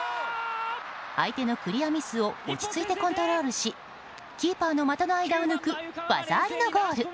相手のクリアミスを落ち着いてコントロールしキーパーの股の間を抜く技ありのゴール。